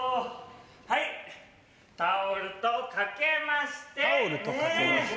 はいタオルと掛けましてねぇ。